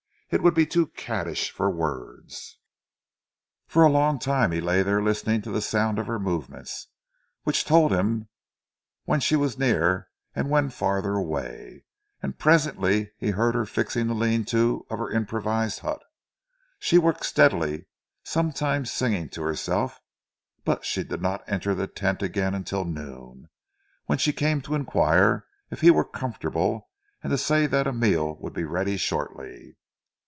It would be too caddish for words " For a long time he lay there listening to the sound of her movements, which told him when she was near and when further away, and presently he heard her fixing the lean to of her improvised hut. She worked steadily, sometimes singing to herself, but she did not enter the tent again until noon, when she came in to inquire if he were comfortable and to say that a meal would be ready shortly.